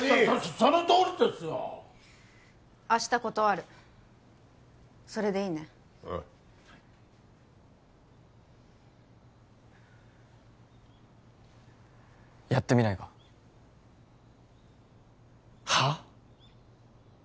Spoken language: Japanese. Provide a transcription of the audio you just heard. そのとおりですよ明日断るそれでいいねああやってみないかはっ？